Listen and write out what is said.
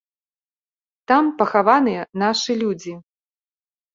Там пахаваныя нашы людзі.